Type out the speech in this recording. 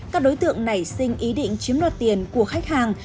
các đối tượng nảy sinh ý định chiếm đoạt tiền của khách hàng